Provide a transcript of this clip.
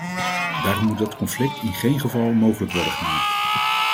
Daarom moet dat conflict in geen geval mogelijk worden gemaakt.